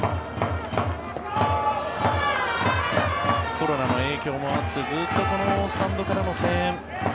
コロナの影響もあってずっとこのスタンドからの声援